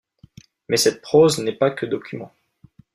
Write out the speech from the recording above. Mais cette prose n'est pas que document.